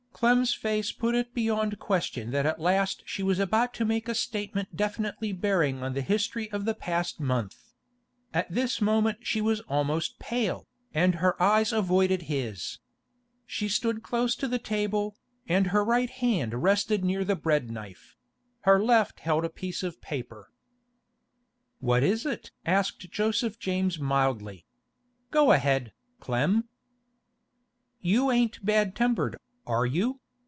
Clem's face put it beyond question that at last she was about to make a statement definitely bearing on the history of the past month. At this moment she was almost pale, and her eyes avoided his. She stood close to the table, and her right hand rested near the bread knife; her left held a piece of paper. 'What is it?' asked Joseph James mildly. 'Go ahead, Clem.' 'You ain't bad tempered, are you?